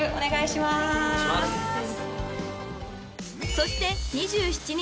［そして２７日。